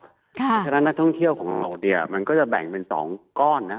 เพราะฉะนั้นนักท่องเที่ยวของเราเนี่ยมันก็จะแบ่งเป็น๒ก้อนนะ